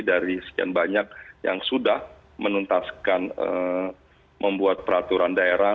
dari sekian banyak yang sudah menuntaskan membuat peraturan daerah